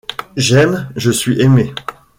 J’aime, je suis aimée.